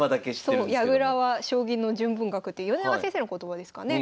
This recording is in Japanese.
そう「矢倉は将棋の純文学」って米長先生の言葉ですかね。